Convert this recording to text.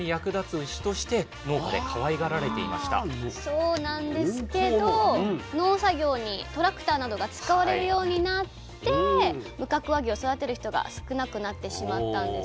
そうなんですけど農作業にトラクターなどが使われるようになって無角和牛を育てる人が少なくなってしまったんです。